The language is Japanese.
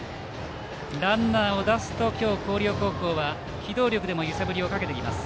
ランナーを出すと今日、広陵高校は機動力でも揺さぶりをかけてきます。